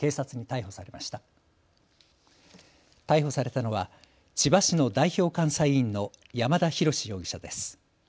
逮捕されたのは千葉市の代表監査委員の山田啓志容疑者です。